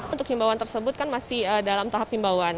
untuk imbauan tersebut kan masih dalam tahap imbauan